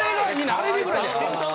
あれぐらいで。